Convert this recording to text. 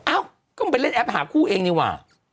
อ้าวก็มันเป็นเล่นแอปหาคู่เองนี่ว่ะ